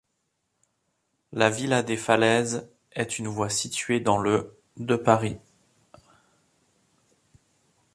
La villa des Falaises est une voie située dans le de Paris.